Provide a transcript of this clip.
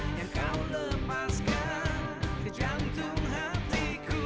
yang kau lepaskan ke jantung hatiku